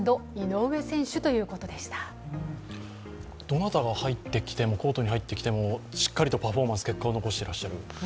どなたがコートに入ってきてもしっかりとパフォーマンス、結果を残していらっしゃる。